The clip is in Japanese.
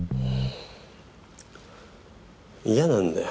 嫌なんだよ